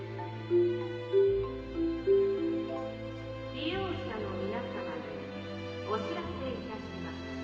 利用者の皆さまにお知らせいたします。